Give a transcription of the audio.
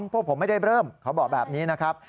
พวกผมไม่ได้เริ่มเขาบอกแบบนี้นะครับ